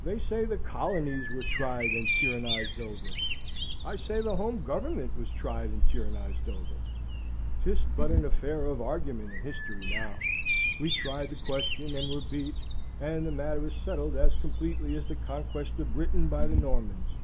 They say the colonies were tried and tyrannised over; I say the home Government was tried and tyrannised over. ['Tis but an affair of argument and history, now; we tried the question, and were beat; and the matter is settled as completely as the conquest of Britain by the Normans.)